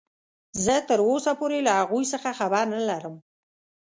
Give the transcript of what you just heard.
زه تراوسه پورې له هغوې څخه خبر نلرم.